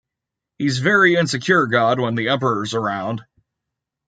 He's very insecure, God, when the Emperor's around.